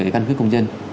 căn cức công dân